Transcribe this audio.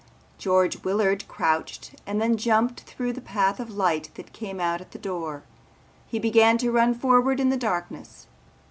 George Willard crouched and then jumped through the path of light that came out at the door. He began to run forward in the darkness.